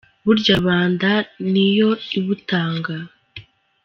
Burya Rubanda niyo ibutanga